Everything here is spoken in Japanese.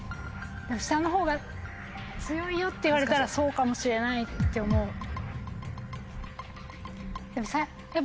「下の方が強いよ」って言われたらそうかもしれないって思う。